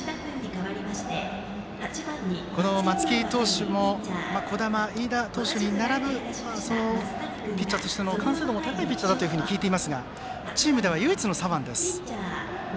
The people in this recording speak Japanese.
松木投手も児玉、飯田投手に並ぶピッチャーとしての完成度も高いピッチャーだと聞いていますがチーム唯一の左腕です。